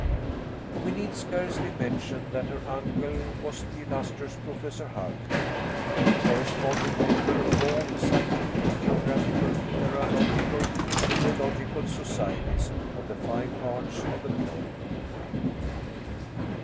We need scarcely mention that her uncle was the illustrious Professor Hardwigg, corresponding member of all the scientific, geographical, mineralogical, and geological societies of the five parts of the globe.